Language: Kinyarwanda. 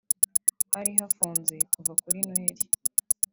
hari hafunze kuva kuri Noheli